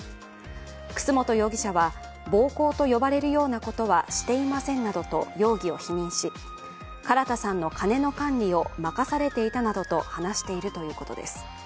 楠本容疑者は暴行と呼ばれるようなことはしていませんなどと容疑を否認し、唐田さんの金の管理を任されていたなどと話しているということです。